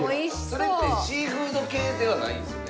それってシーフード系ではないんですよね？